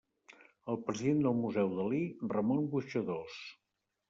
El president del Museu Dalí, Ramon Boixadors.